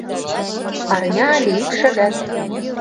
Арня але ик шагат.